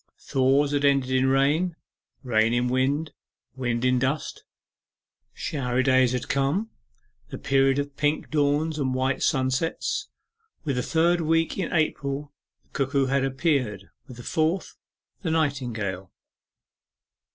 Thaws had ended in rain, rain in wind, wind in dust. Showery days had come the period of pink dawns and white sunsets; with the third week in April the cuckoo had appeared, with the fourth, the nightingale.